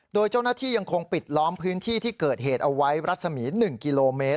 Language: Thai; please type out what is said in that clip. โดยเจ้าหน้าที่ยังคงปิดล้อมพื้นที่ที่เกิดเหตุเอาไว้รัศมี๑กิโลเมตร